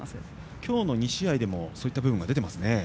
今日の２試合でもそういった部分が出てますね。